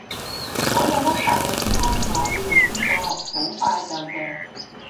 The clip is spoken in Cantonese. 如果有粒大暗瘡我會用呢個，好快就謝